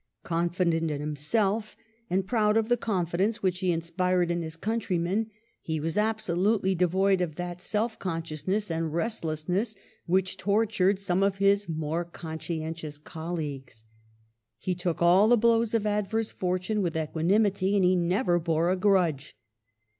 Confident in himself and proud of the confidence which he inspired in his countrymen, he was absolutely devoid of that self consciousness and restlessness which toi tured some of his more conscientious colleagues. He took all the blows of advei*se fortune with equanimity, and he never bore a grudge.